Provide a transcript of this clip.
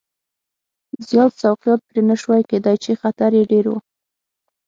زیات سوقیات پرې نه شوای کېدای چې خطر یې ډېر و.